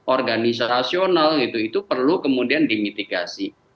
organisasional gitu itu perlu kemudian dimitigasi